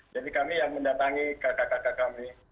jadi kami yang mendatangi kakak kakak kami